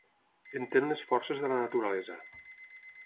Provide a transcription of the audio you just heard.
Entén les forces de la naturalesa.